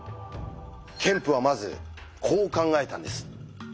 ケンプはまずこう考えたんです。